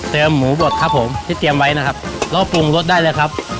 หมูบดครับผมที่เตรียมไว้นะครับแล้วปรุงรสได้เลยครับ